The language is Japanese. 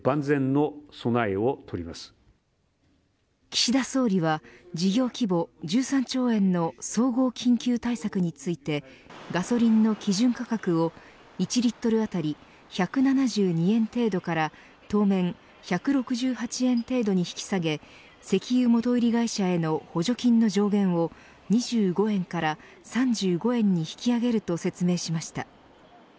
岸田総理は事業規模１３兆円の総合緊急対策についてガソリンの基準価格を１リットル当たり１７２円程度から当面１６８円程度に引き下げ石油元売り会社への補助金の上限を２５円から３５円に引き上げると説明しました。